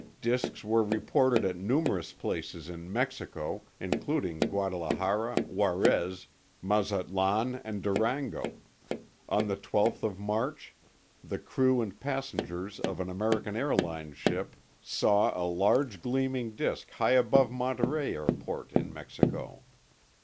Disks were reported at numerous places in Mexico, including Guadalajara, Juárez, Mazatlán, and Durango. On the twelfth of March, the crew and passengers of an American Airlines ship saw a large gleaming disk high above Monterrey airport in Mexico.